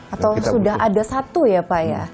atau sudah ada satu ya pak ya